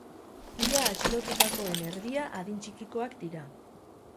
Ia atxilotuetakoen erdia adin txikikoak dira.